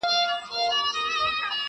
په سودا وو د کسات د اخیستلو!.